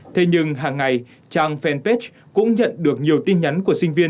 thế nhưng hàng ngày trang fanpage cũng nhận được nhiều tin nhắn của sinh viên